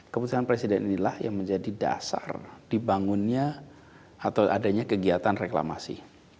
keputusan presiden inilah yang menjadi dasar dibangunnya atau adanya kegiatan reklamasi